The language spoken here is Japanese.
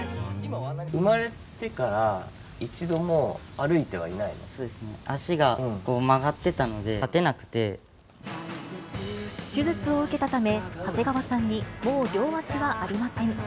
産まれてから、一度も歩いて足が曲がってたので、立てな手術を受けたため、長谷川さんにもう両脚はありません。